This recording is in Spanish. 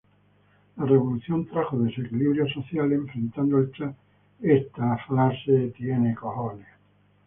La revolución trajo desequilibrios sociales, enfrentando al sha con los sectores tradicionales del país.